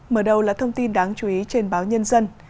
mở đầu là thông tin đáng chú ý trên báo nhân dân